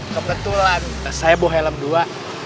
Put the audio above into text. kebetulan saya bawa helm dua